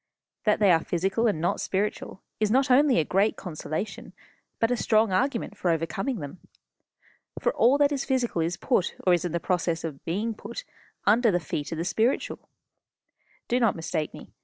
That they are physical and not spiritual is not only a great consolation, but a strong argument for overcoming them. For all that is physical is put, or is in the process of being put, under the feet of the spiritual. Do not mistake me.